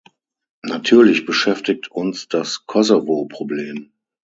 Natürlich beschäftigt uns das Kosovo-Problem.